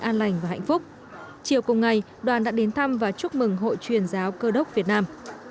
an lành và hạnh phúc chiều cùng ngày đoàn đã đến thăm và chúc mừng hội truyền giáo cơ đốc việt nam